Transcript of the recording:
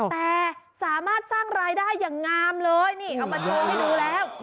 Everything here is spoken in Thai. แต่สามารถสร้างรายได้อย่างงามเลยนี่เอามาโชว์ให้ดูแล้ว